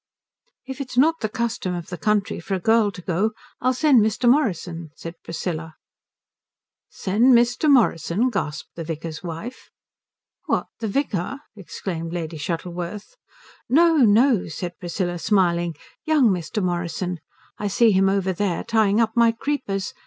"If it's not the custom of the country for a girl to go I'll send Mr. Morrison," said Priscilla. "Send Mr. Morrison?" gasped the vicar's wife. "What, the vicar?" exclaimed Lady Shuttleworth. "No, no," said Priscilla smiling, "young Mr. Morrison. I see him over there tying up my creepers.